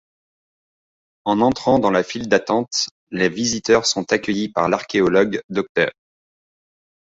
En entrant dans la file d'attente, les visiteurs sont accueillis par l'archéologue, Dr.